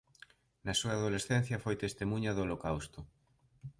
Na súa adolescencia foi testemuña do holocausto.